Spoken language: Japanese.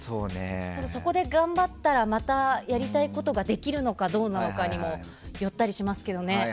ただ、そこで頑張ったらまたやりたいことができるのかどうなのかにもよったりしますけどね。